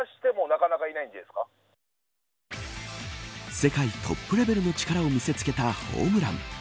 世界トップレベルの力を見せつけたホームラン。